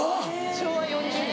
昭和４０年。